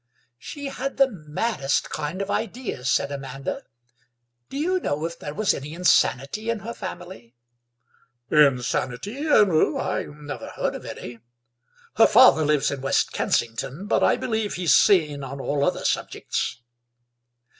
"She had the maddest kind of ideas," said Amanda; "do you know if there was any insanity in her family?" "Insanity? No, I never heard of any. Her father lives in West Kensington, but I believe he's sane on all other subjects."